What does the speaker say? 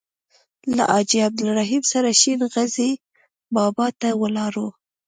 له حاجي عبدالرحیم سره شین غزي بابا ته ولاړو.